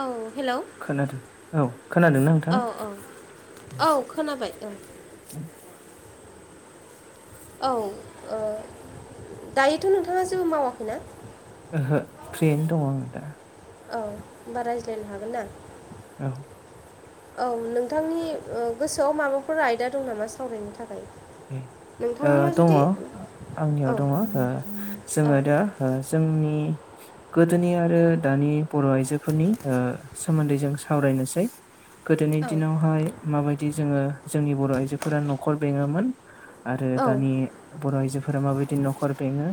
औ हेलौ खोनादों औ खोनादोंना औ नोंथाङा औ औ खोनाबाय ओं औ दायोथ' नोंथाङा जेबो मावाखैना ओहो फ्रियैनो दङ आं दा औ होनबा रायज्लायनो हागोन ना औ औ नोंथांनि गोसोआव माबाफोर आयदा दं नामा सावरायनो थाखाय नोंथांनियाव दङ जुदि आंनियाव औ दङ औ जोङो दा जोंनि गोदोनि आरो दानि बर' आइजोफोरनि सोमोन्दै जों सावरायनोसै गोदोनि औ दिनावहाय माबायदि जोङो जोंनि बर' आइजोफोरा न'खर बेङोमोन आरो दानि औ बर' आइजोफोरा माबायदि न'खर बेङो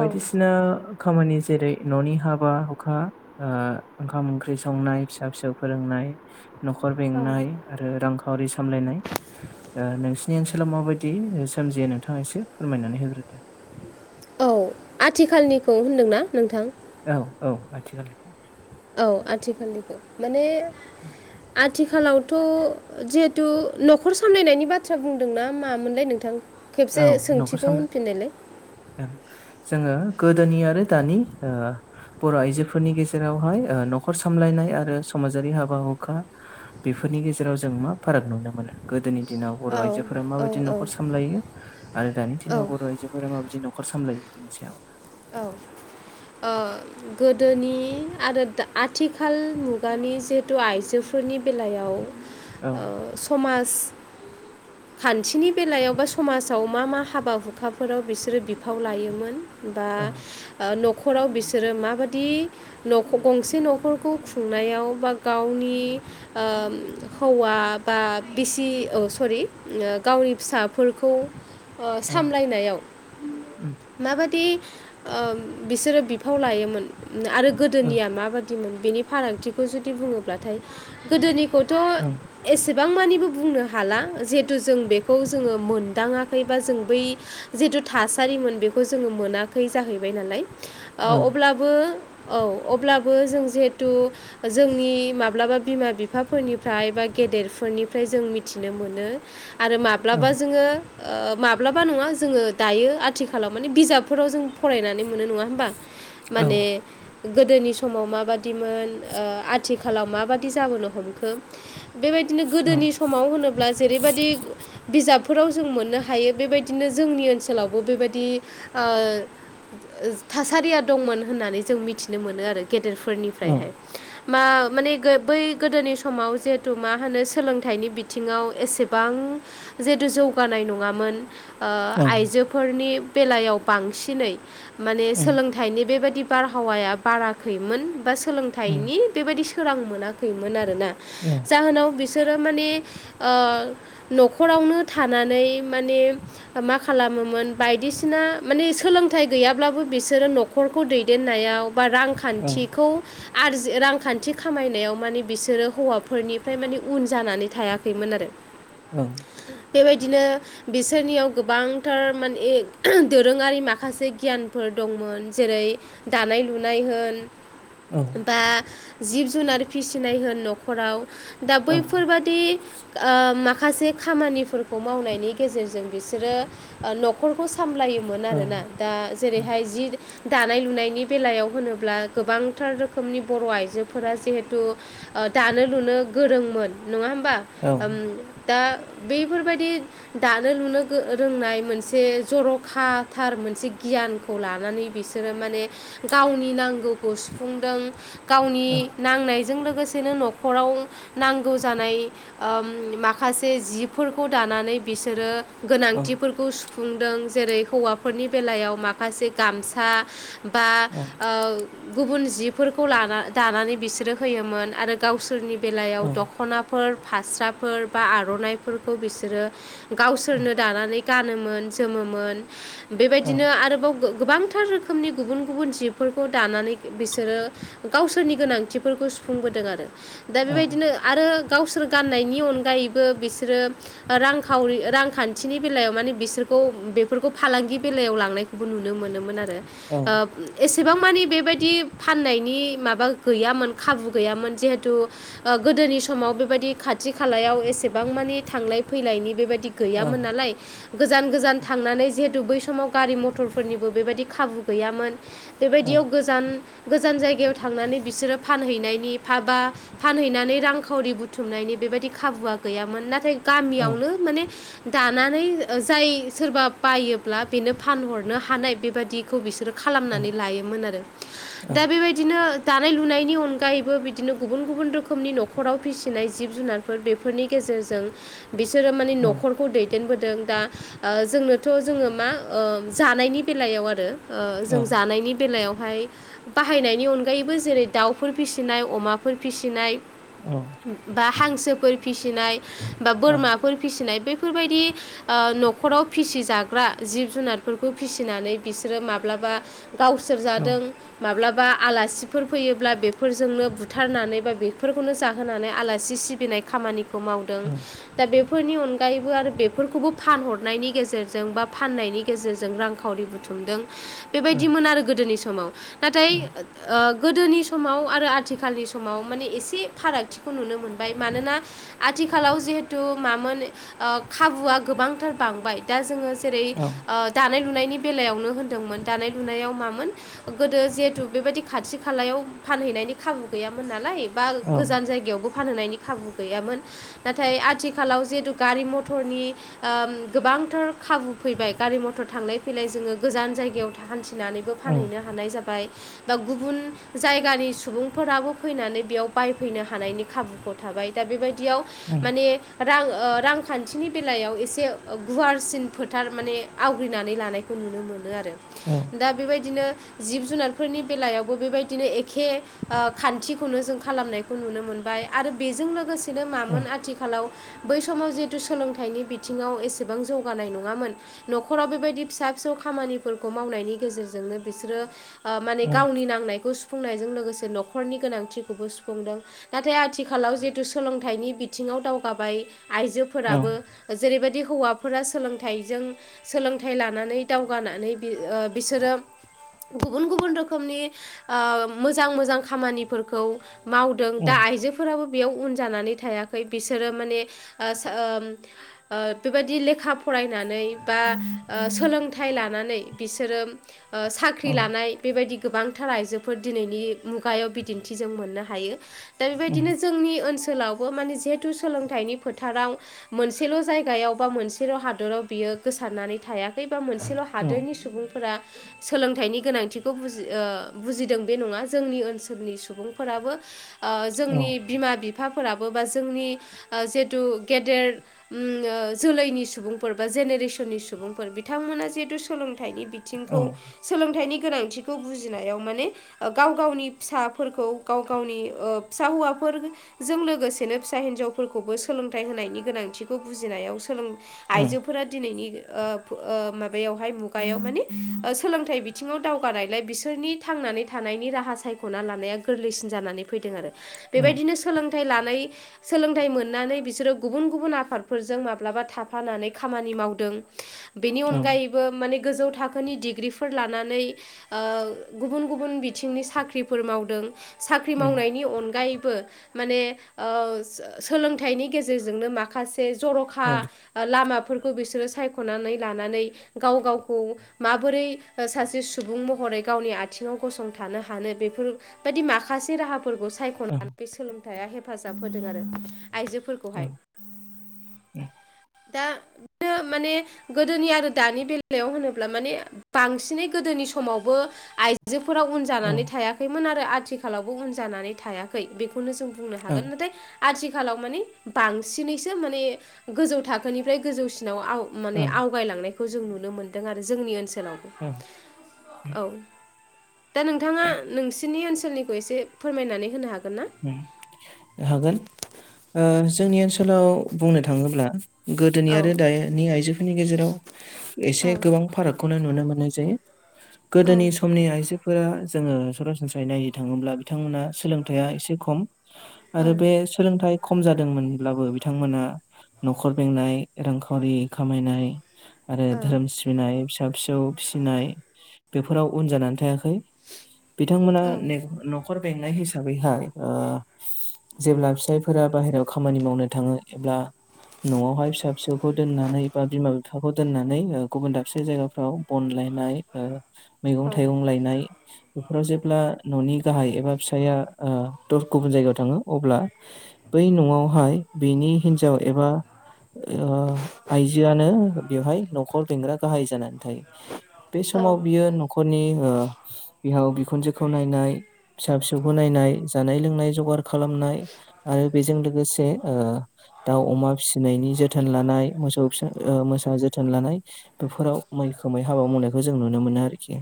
औ ना खामानि जेरै न'नि हाबा हुखा ओंखाम ओंख्रि संनाय फिसा फिसौ फोरोंनाय न'खर औ बेंनाय आरो रांखावरि सामलायनाय नों नि ओनसोलाव माबायदि सोमजियो नोंथांङा एसे फोरमायनानै होग्रो दे औ आथिखालनिखौ होनदोंना नोंथां औ औ आथिखालनिखौ औ आथिखालनिखौ माने आथिखालावथ' जिहेथु न'खर सामलायनायनि बाथ्रा बुंदोंना मामोनलाय नोंथां खेबसे सोंथिगौ होनफिननायलाय जोंङो गोदोनि आरो दानि बर' आइजोफोरनि गेजेरावहाय न'खर सामलायनाय आरो समाजारि हाबा हुखा बेफोरनि गेजेराव जों मा फाराग नुनो मोनो गोदोनि दिनाव बर' औ आइजोफोरा औ माबायदि औ न'खर सामलायो आरो दानि औ दिनाव बर' आइजोफोरा माबायदि न'खर सामलायो बिनि सायाव औ ओ गोदोनि आरो आथिखाल मुगानि जिहेथु आइजोफोरनि बेलायाव औ समाज खान्थिनि बेलायाव बा समाजाव मा मा हाबा हुखाफोराव बिसोरो बिफाव लायोमोन बा औ न'खराव बिसोरो माबायदि गंसे न'खरखौ खुंनायाव बा गावनि हौवा बा बिसि सरि गावनि फिसाफोरखौ औ सामलायनायाव उम माबादि बिसोरो बि फाव लायोमोन आरो औ गोदोनिया माबायदि बेनि फारागथिखौ जुदि बुङोब्लाथाय गोदोनिखौथ' औ एसेबां मानिबो बुंनो हाला जिहेथु जों बेखौ जोंङो मोनदाङाखै बा जों बै जिथु थासारिमोन बेखौ जोंङो मोनाखै जाहैबाय नालाय औ अब्ला औ अब्लाबो जों जिहेथु जोंनि माब्लाबा बिमा बिफाफोरनिफ्राय बा गेदेरफोरनिफ्राय जों मिथिनो मोनो आरो माब माब्लाबा जोंङो माब्लाबा नङा जोंङो दायो आथिखालाव माने बिजाबफोराव जों फरायनानै मोनो नङा होमबा औ माने गोदोनि समाव माबादिमोन आथिखालाव माबादि जाबोनो हमखो बेबायदिनो गोदोनि समाव होनोब्ला जेरैबायदि बिजाबफोराव जों मोननो हायो बेबायदिनो जोंनि ओनसोलावबो बेबायदि थासारिया दंमोन होननानै जों मिथिनो मोनो आरो औ गेदेरफोरनिफ्रायहाय मा माने बै गोदोनि समाव जिहेथु मा होनो सोलोंथाइनि बि बिथिङाव एसेबां जिहेतु जौगानाय नङामोन आइजोफोरनि बेलायाव बांसिनै माने उम सोलोंथाइनि बेबायदि बारहावाया बाराखैमोन बा उम सोलोंथाइनि बेबायदि सोरां मोनाखैमोन आरोना औ जाहोनाव बिसोरो माने न'खरावनो थानानै माने मा खालामोमोन बायदिसिना माने सोलोंथाइ गैयाब्लाबो बिसोर बिसोरो न'खरखौ दैदेननायाव बा औ रांखान्थिखौ आरजि रांखान्थि खामायनायाव माने बिसोरो हौवाफोरनिफ्राय माने उन जानानै थायाखैमोन आरो [inaudible] उम बेबायदिनो बिसोरनियाव गोबांथार माने दोरोङारि माखासे गियानफोर दंमोन जेरै दानाय लुनाय होन औ बा जिब जुनार फिसिनाय होन न'खराव दा औ बैफोरबादि माखासे खामानिफोरखौ मावनायनि गेजेरजों बिसोरो न'खरखौ सामलायोमोन औ आरोना दा जेरैहाय जि दानाय लुनायनि बेलायाव होनोब्ला गोबांथार रोखोमनि बर' आइजोफोरा जिहेथु दानो लुनो गोरोंमोन नङा होमबा दा बेफोरबायदि दानो लुनो रोंनाय मोनसे जर'खाथार मोनसे गियान खौ लानानै बिसोरो माने गावनि नांगौखौ सुफुंदों गावनि नांनायजों लोगोसेनो न'खराव नांगौ जानाय माखासे जिफोरखौ दानानै बिसोरो गोनांथिफोरखौ सुफुंदों जेरै हौवाफोरनि बेलायाव माखासे गामसा बा ओ गुबुन जिफोरखौ लाना दानानै बिसोरो होयोमोन आरो गावसोरनि बेलायाव दखना फास्राफोर बा आरनाइफोरखौ बिसोरो गावसोरनो दानानै गानोमोन जोमोमोन बेबायदिनो आरोबाव गोबांथार रोखोमनि गुबुन गुबुन जिबफोरखौ दानानै बिसोरो गावसोरनि गोनांथिफोरखौ सुफुंबोदों आरो दा बेबायदिनो आरो गावसोर गाननायनि अनगायैबो बिसोरो रांखावरि रांखान्थिनि बेलायाव माने बिसोरखौ बेफोरखौ फालांगि बेलायाव लांनाय खौ नुनो मोनोमोन आरो एसेबां मानि बेबायदि फाननायनि माबा गैयामोन खाबु गैयामोन जिहेथु गोदोनि समाव बेबायदि खाथि खालायाव एसेबां मानि थांलाय फैलायनि बेबायदि गैयामोन नालाय गोजान गोजान थांनानै जिहेथु बै समाव गारि म टरफोरनिबो बेबायदि खाबु गैयामोन बेबायदियाव गोजान गोजान जायगायाव थांनानै बिसोरो फानहैनायनि फा बा फानहैनानै रांखावरि बुथुमनायनि बेबायदि खाबुआ गैयामोन नाथाय गामियावनो माने दानानै जाय सोरबा बायोब्ला बेनो फानहर नो हानाय बेबादिखौ बिसोरो खालामनानै लायोमोन आरो दा बेबाय दिनो दानाय लुनायनि अनगायैबो बिदिनो गुबुन गुबुन रोखोमनि न'खराव फिसिनाय जिब जुनार फोर बेफोरनि गेजेरजों बिसोरो माने न'खरखौ दैदेनबोदों दा जोंनोथ जोङो मा ओ जानायनि बेलायाव आरो जों जानायनि बेलायावहाय बाहायनायनि अनगायैबो जेरै दाउफोर फिसिनाय अमाफोर फिसिनाय बा हांसोफोर फिसिनाय बा बोरमा फोर फिसिनाय बेैफोरबायदि आ न'खराव फिसिजाग्रा जिब जुनार फोरखौ फिसिनानै बिसोरो माब्लाबा गावसोर जादों माब्लाबा आलासिफोर फैयोब्ला बेफोरजोंनो बुथारनानै बा बेफोरखौनो जाहोनानै आलासि सि बिनाय खामानिखौ मावदों दा बेफोरनि अनगायैबो आरो बेफोरखौबो फानहरनायनि गेजेरजों बा फाननायनि गेजेरजों रांखावरि बुथुमदों बेबायदिमोन आरो गोदोनि समाव नाथाय ओ गोदोनि स समाव आरो आथिखालनि समाव माने एसे फारागथिखौ नुनो मोनबाय मानोना आथिखालाव जिहेथु मामोन ओ खाबुआ गोबांथार बांबाय दा जोङो जेरै ओ दानाय लुनायनि बेलायावनो होनदोंमोन दानाय लुनायाव मामोन गोदो जिहेथु बेबायदि खाथि खालायाव फानहैनायनि खाबु गैयामोन नालाय बा गोजान जायगायावबो फानहैयनायनि खाबु गैयामोन नाथाय आथिखालाव जिहेतु गारि मथरनि ओ गोबांथार खाबु फैबाय गारि मथर थांलाय फैलाय जोङो गोजान जायगायाव हान्थिनानैबो फानहैनो हानाय जाबाय बा गुबुन जायगानि सुबुंफोराबो फैनानै बेयाव बायफैनो हानायनि खाबुखौ थाबाय दा बेबायदियाव माने रां ओ रांखान्थिनि बेलायाव एसे गुवारसिन फोथार माने आवग्रिनानै लानायखौ नुनो मोनो आरो औ दा बेबायदिनो जिब जुनारफोरनि बेलायावबो बेबायदिनो एखे ओ खान्थिखौनो जों खालामनाय खौ नुनो मोनबाय आरो बेजों लोगोसेनो मामोन आथिखालाव बै समाव जिहेतु सोलोंथाइनि बिथिङाव एसेबां जौगानाय नङामोन न'खराव बेबायदि फिसा फिसौ खामानिफोरखौ मावनायनि गेजेरजोंनो बिसोरो ओ माने गावनि नांनायखौ सुफुंनायजों लोगोसे न'खरनि गोनांथिखौबो सुफुंदों नाथाय आथिखालाव जिहेथु सोलोंथाइनि बिथिङाव दावगाबाय आइजो फोराबो जेरैबायदि हौवाफोरा सोलोंथाइजों सोलोंथाइ लानानै दावगानानै बि ओ बिसोरो गुबुन गुबुन रोखोमनि आ‌मोजां मोजां खामानिफोरखौ मावद जों औ दा आइजोफोराबो बेयाव उन जानानै थायाखै बिसोरो माने ओ ओ बेबायदि लेखा फरायनानै बा ओ सोलोंथाइ लानानै बिसोरो ओ साख्रि औ लानाय बेबायदि गोबांथार आइजोफोर दिनैनि मुगायाव बिदिन्थिजों मोननो हायो दा बेबायदिनो जोंनि ओनसोलावबो माने जिहेथु सोलोंथाइनि फोथाराव मोनसेल' जायगायाव बा मोनसेल' हादराव बियो गोसारनानै थायाखै बा मोनसेल' हादोरनि सुबुंफोरा सोलोंथाइनि गोनांथिखौ बुजि ओ बुजिदों बे नङा जोंनि ओनसोलनि सुबुंफोराबो आ जोंनि बिमा बिफाफोराबो बा जोंनि जेथु गेदेर उम जोलैनि सुबुंफोर बा जेनेरेसन नि सुबुंफोर बिथांमोना जिहेतु सोलोंथाइनि बिथिंखौ सोलोंथाइनि गोनांथिखौ बुजिनायाव माने गाव गावनि फिसाफोरखौ गाव गावनि फिसा हौवाफोर जों लोगोसेनो फिसा हिनजावफोरखौबो सोलोंथाइ होनायनि गोनांथिखौ बुजिनायाव सोलों आइजोफोरा दिनैनि ओ ओ माबायावहाय मुगायाव मानि सोलोंथाइ बिथिङाव दावगानायलाय बिसोरनि थांनानै थानायनि राहा सायख'ना लानाया गोरलैसिन जानानै फैदों आरो बेबायदिनो सोलोंथाइ लानाय सोलोंथाइ मोननानै बिसोरो गुबुन गुबुन आफादफोरजों माब्लाबा थाफानानै खामानि मावदों बेनि अनगायैबो माने गोजौ थाखोनि डिग्रिफोर लानानै ओ गुबुन गुबुन बिथिंनि साख्रिफोर मावदों साख्रि मावनायनि अनगायैबो माने ओ सोलोंथाइनि गेजेरजोंनो माखासे जर'खा लामाफोरखौ बिसोरो सायख'नानै लानानै गाव गावखौ माबोरै सासे सुबुं महरै गावनि आथिङाव गसंथानो हानो बेफोर बायदि माखासे राहाफोरखौ साय नानै बे सोलोंथाइया हेफाजाब होदों आरो आइजोफोरखौहाय दा बेनो माने गोदोनि आरो दानि बेलायाव होनोब्ला माने बांसिनै गोदोनि समावबो आइजोफोरा उन जानानै थायाखैमोन आरो आथिखालावबो उन जानानै थायाखै बेखौनो जों बुंनो हागोन नाथाय आथिखालाव माने बांसिनैसो माने गोजौ थाखोनिफ्राय गोजौसिनाव आव माने आवगायलांनायखौ जों नुनो मोनदों आरो जोंनि ओनसोलावबो थां [unintelligible] औ दा नोंथाङा नोंसिनि ओनसोलनि खौ एसे फोरमायनानै होनो हागोन ना उम हागोन ओ जोंनि ओनसोलाव बुंनो थाङोब्ला गोदोनि औ आरो दानि आइजोफोरनि गेजेराव एसे औ गोबां फाराग खौ नुनो मोननाय जे औ गोदोनि आइजो फोर जोङो सरासनस्रायै नायनो थाङोब्ला बिथांमोना सोलोंथाइआ एसे खम औ आरो बे सोलोंथाइ खम जादोंमोनब्लाबो बिथांमोना न'खर बेंनाय रांखावरि खामायनाय आरो औ धोरोम सिबिनाय फिसा फिसौ फिसिनाय बेफोराव उन जानानै थायाखै बिथांमोना औ ने न'खर बेंनाय हिसाबैहाय ओ [inaudible] जेब्ला फिसायफोरा बाहेरायाव खामानि मावनो थाङो एबा न'आवहाय फिसा फिसौखौ दोननानै बा बिमा बिफाखौ दोननानै गुबुन दाबसे जायगाफ्राव अनलायनाय ओ मैगं थाइगं लायनाय बेफोराव जेब्ला न'नि गाहाय एबा फिसाया आ दर गुबुन जायगायाव थाङो अब्ला बै न'आवहाय बेनि हिन्जाव एबा ओ आयजोआनो बेवहाय न'खर बेंग्रा गाहाय जानानै थायो‌ बे समाव बियो न खरनि ओ बिहाव बिखुनजोखौ नायनाय फिसा फिसौखौ नायनाय जानाय लोंनाय जगार खालामनाय आरो बेजों लोगोसे ओ दाउ अमा फिसिनायनि जोथोन लानाय मोसौ मोसा जोथोन लानाय बेफोराव मैखोमै हाबा मावनायखौ जों नुनो मोनो आरोखि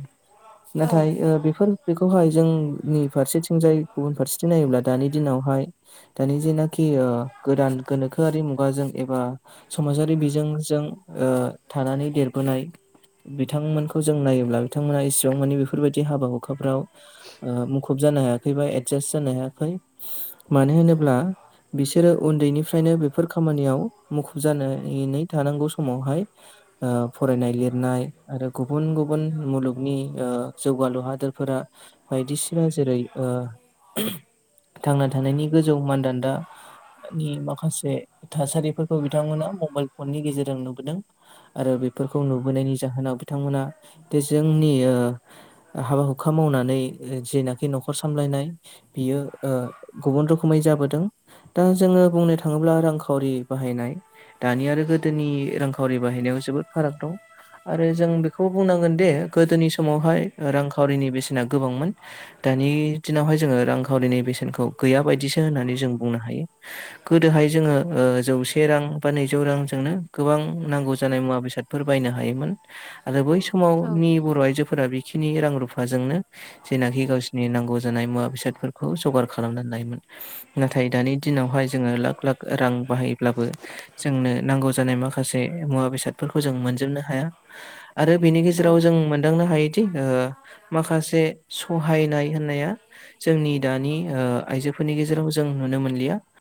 औ नाथाय ओ बेफोर बेखौहाय जोंनि फारसेथिंजाय गुबुन फारसेथिं नायोब्ला दानि दिनावहाय दानि जेनाखि ओ गोदान गोनोखोआरि मुगाजों एबा समाजारि बिजोंजों ओ थानानै देरबोनाय बिथांमोनखौ जों नायोब्ला बिथांमोना इसिबां मानि बेफोरबायदि हाबा हुखाफ्राव ओ मुखुब जानो हायाखै बा एडजास्ट जानो हायाखै मानो होनोब्ला बिसोरो उन्दैनिफ्रायनो बेफोर खामानियाव मुखुब जानानै थानांगौ समावहाय ओ फरायनाय लिरनाय आरो गुबुन गुबुन मुलुगनि ओ जौगालु हादोरफोरा बायदिसिना जेरै ओ थांना थानायनि गोजौ मानदान्दा नि माखासे थासारिफोरखौ बिथांमोना मबाइल फननि गेजेरजों नुबोदों आरो बेफोरखौ नुबोनायनि जाहोनाव बिथांमोना जे जोंनि ओ हाबा हुखा मावनानै जेनाखि न'खर सामलायनाय बियो ओ गुबुन रोखोमै जाबोदों दा जोङो बुंनो थाङोब्ला रांखावरि बाहायनाय दानि आरो गोदोनि रांखावरि बाहायनायाव जोबोद फाराग दं आरो जों बेखौ बुंनांगोन दि गोदोनि समावहाय रांखावरिनि बेसेना गोबांमोन दानि दिनावहाय जोङो रांखावरिनि बेसेनखौ गैया बायदिसो होननानै जों बुंनो हायो गोदोहाय जोङो ओ जौसे रां बा नैजौ रांजोंनो गोबां नांगौ जानाय मुवा बेसाद फोर बायनो हायोमोन आरो बै स औ मावनि बर' आइजोफोरा बेखिनि रां रुफाजोंनो जेनाखि गावसिनि नांगौ जानाय मुवा बेसादफोरखौ जगार खालामनानै लायोमोन नाथाय दानि दिनावहाय जोङो लाख लाख रां बाहायोब्लाबो जोंनो नांगौ जानाय माखासे मुवा बेसादफोरखौ जों मोनजोबनो हाया आरो बिनि औ गेजेराव जों मोनदांनो हायोदि ओ माखासे सहायनाय होननाया जोंनि दानि ओ आइजोफोरनि गेजेराव जों नुनो मोनलिया